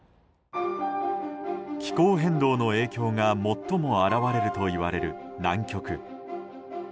気候変動の影響が最も表れるといわれる南極。